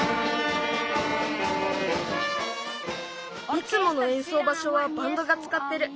いつものえんそうばしょはバンドがつかってる。